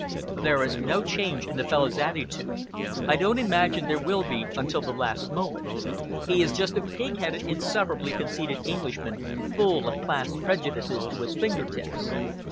"There is no change in the fellow's attitude. I don't imagine there will be until the last moment. He is just a pig headed, insufferably conceited Englishman, full of class prejudices to his finger tips."